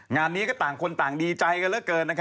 งานนี้ก็ต่างคนต่างดีใจกันเหลือเกิน